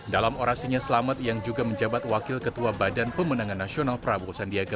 dalam orasinya selamat yang juga menjabat wakil ketua badan pemenangan nasional prabowo sandiaga